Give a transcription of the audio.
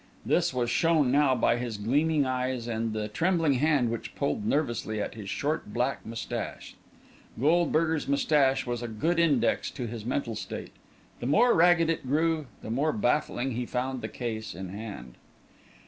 This was shown now by his gleaming eyes and the trembling hand which pulled nervously at his short, black moustache. Goldberger's moustache was a good index to his mental state the more ragged it grew, the more baffling he found the case in hand!